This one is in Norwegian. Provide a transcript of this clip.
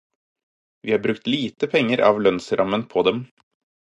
Vi har brukt lite penger av lønnsrammen på dem.